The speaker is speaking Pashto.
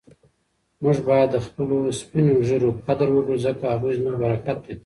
موږ باید د خپلو سپین ږیرو قدر وکړو ځکه هغوی زموږ برکت دی.